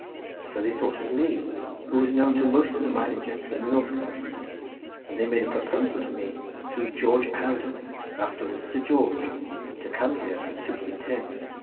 So they thought of me, who was known to most of the mining gentry in the north country, and they made a proposal to me through George Alden, afterwards Sir George, to come here and superintend.